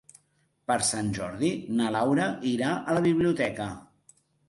Per Sant Jordi na Laura irà a la biblioteca.